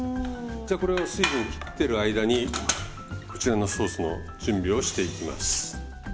じゃこれは水分切ってる間にこちらのソースの準備をしていきます。